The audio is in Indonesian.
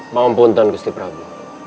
maaf tuan gusti prabu